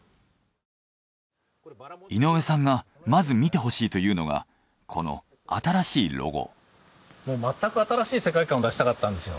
井上さんがまず見てほしいというのがこの新しいロゴ。